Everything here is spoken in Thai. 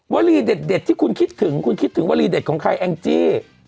วลีเด็ดที่คุณคิดถึงคุณคิดถึงวลีเด็ดของใครแองจี้